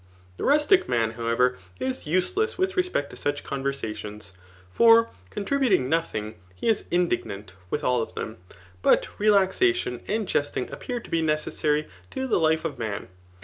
Tne rustic man, however, is useless with respect to toch conversations ; fot contributing nothing, he is indignant with all of them; But relaxation and jestitig appear to be necessary to the life of man.